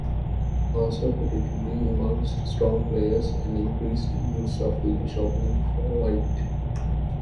Also, particularly amongst strong players, an increased use of the English Opening for White.